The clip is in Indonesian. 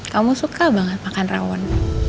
kamu suka banget makan rawon